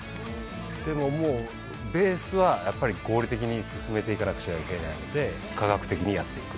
でももうベースはやっぱり合理的に進めていかなくちゃいけないので科学的にやっていく。